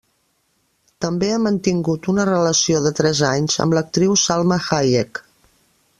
També ha mantingut una relació de tres anys amb l'actriu Salma Hayek.